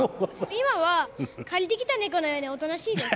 今は借りてきた猫のようにおとなしいです。